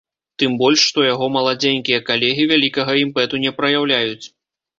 Тым больш, што яго маладзенькія калегі вялікага імпэту не праяўляюць.